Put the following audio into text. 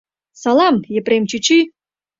- Салам, Епрем чӱчӱ!